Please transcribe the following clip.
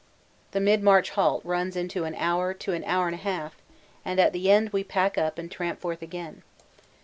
The mid march halt runs into an hour to an hour and a half, and at the end we pack up and tramp forth again.